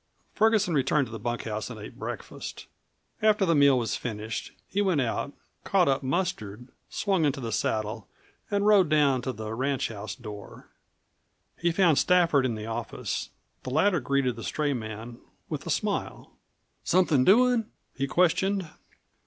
Ferguson returned to the bunkhouse and ate breakfast. After the meal was finished he went out, caught up Mustard, swung into the saddle, and rode down to the ranchhouse door. He found Stafford in the office. The latter greeted the stray man with a smile. "Somethin' doin'?" he questioned.